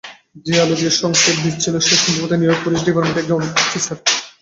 যে আলো দিয়ে সংকেত দিচ্ছিলো সে সম্ভবত নিউইয়র্ক পুলিশ ডিপার্টমেন্টের একজন অফিসার।